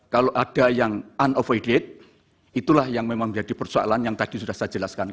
kalau ada yang unnover itulah yang memang menjadi persoalan yang tadi sudah saya jelaskan